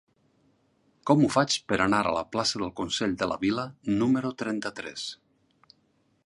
Com ho faig per anar a la plaça del Consell de la Vila número trenta-tres?